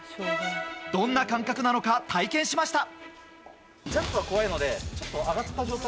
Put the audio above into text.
どんな感覚なのか、体験しました。